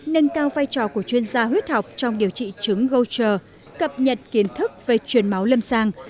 nâng cao vai trò của chuyên gia huyết học trong điều trị chứng gocher cập nhật kiến thức về chuyển máu lâm sàng